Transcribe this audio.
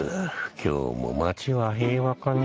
今日も町は平和かにゃ。